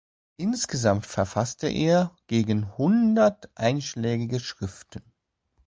Insgesamt verfasste er gegen hundert einschlägige Schriften.